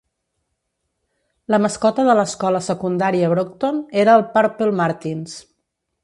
La mascota de l'escola secundària Brocton era el "Purple Martins".